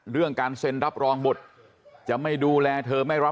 เรื่องการเซ็นรับรองบุตรจะไม่ดูแลเธอไม่รับ